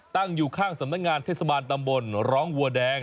ตั้งอยู่ข้างสำนักงานเทศบาลตำบลร้องวัวแดง